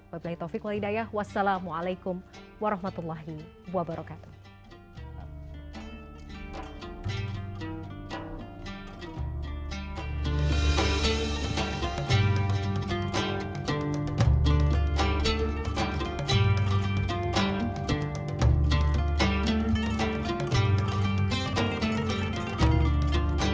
wabillahi taufiq wal hidayah wassalamu'alaikum warahmatullahi wabarakatuh